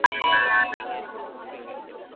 যে লোক তোমার ল্যাব উড়িয়ে দিয়েছে তার স্ত্রী।